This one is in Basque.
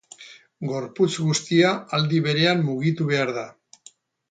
Gorputz guztia aldi berean mugitu behar da.